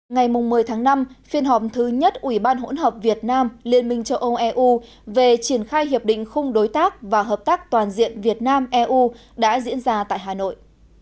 ngày một mươi tháng năm phiên họp thứ nhất ủy ban hỗn hợp việt nam liên minh châu âu eu về triển khai hiệp định khung đối tác và hợp tác toàn diện việt nam eu đã diễn ra tại hà nội